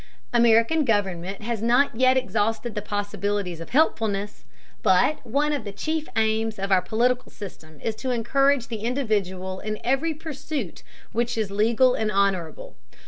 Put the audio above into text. American government has not yet exhausted the possibilities of helpfulness, but one of the chief aims of our political system is to encourage the individual in every pursuit which is legal and honorable.